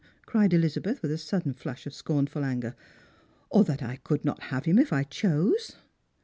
cried Elizabeth, with a sudden flash of scornful anger, " or that I could not have him if I chose?